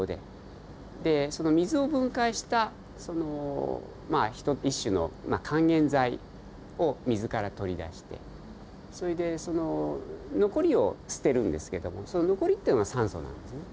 でその水を分解した一種の還元剤を水から取り出してそれでその残りを捨てるんですけどもその残りっていうのが酸素なんですね。